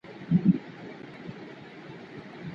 د سیاسي ډیپلوماسۍ په چوکاټ کي د خلګو امنیت نه خوندي کیږي.